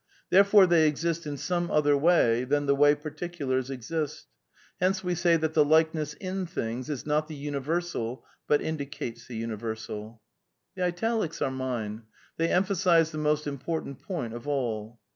Therefore they exist in some other way than the way particulars exist ;^ hence we say that the likeness 'in' things is not the universal ^/'J hut indicates the universal/* (P^. 13 19.) "\ The italics are mine. They emphasise the most impor tant point of all.